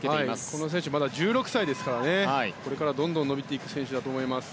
この選手１６歳ですからこれからどんどん伸びていく選手だと思います。